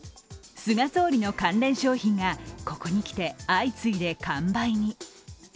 菅総理の関連商品が、ここにきて相次いで完売に。